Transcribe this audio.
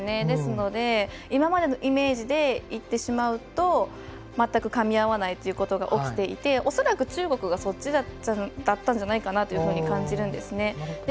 ですので、今までのイメージでいってしまうと全くかみ合わないということが起きていて恐らく、中国がそっちだったんじゃないかと感じるんですね。